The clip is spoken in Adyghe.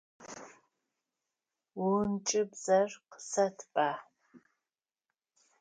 Ӏункӏыбзэр къысэтба.